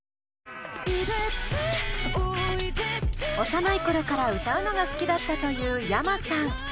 幼い頃から歌うのが好きだったというｙａｍａさん。